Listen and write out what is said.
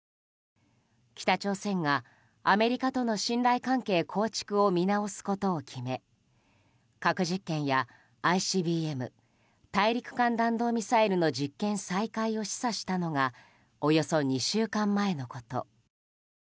北朝鮮がアメリカとの信頼関係構築を見直すことを決め核実験やＩＣＢＭ・大陸間弾道ミサイルの実験再開を示唆したのがおよそ２週間前のこと。